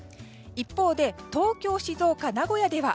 一方で東京、静岡、名古屋では